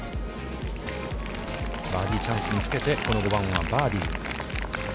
バーディーチャンスにつけて、この５番はバーディー。